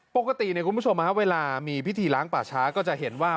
คุณผู้ชมเวลามีพิธีล้างป่าช้าก็จะเห็นว่า